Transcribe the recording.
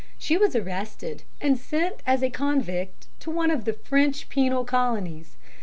She was arrested and sent as a convict to one of the French penal colonies.